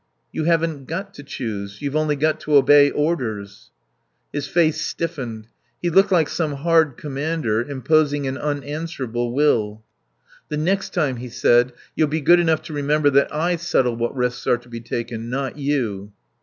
"You haven't got to choose. You've only got to obey orders...." His face stiffened. He looked like some hard commander imposing an unanswerable will. "... The next time," he said, "you'll be good enough to remember that I settle what risks are to be taken, not you."